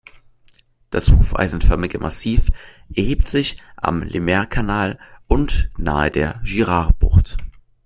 Das hufeisenförmige Massiv erhebt sich am Lemaire-Kanal und nahe der Girard-Bucht.